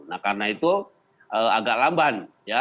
nah karena itu agak lamban